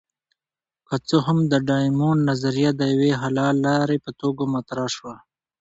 که څه هم د ډایمونډ نظریه د یوې حللارې په توګه مطرح شوه.